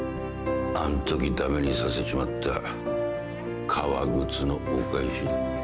あんとき駄目にさせちまった革靴のお返しだ。